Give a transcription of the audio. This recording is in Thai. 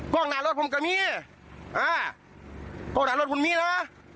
กล้องหลานรถคุณมี่นะ